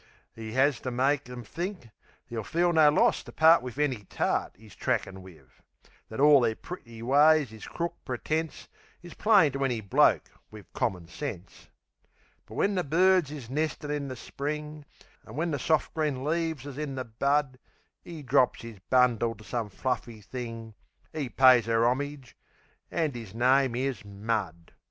'E 'as to make 'em think 'e'll feel no loss To part wiv any tart 'e's trackin' wiv. That all their pretty ways is crook pretence Is plain to any bloke wiv common sense. But when the birds is nestin' in the spring, An' when the soft green leaves is in the bud, 'E drops 'is bundle to some fluffy thing. 'E pays 'er 'omage an' 'is name is Mud.